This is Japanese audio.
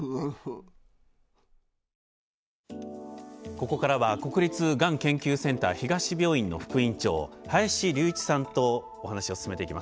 ここからは国立がん研究センター東病院の副院長林隆一さんとお話を進めていきます。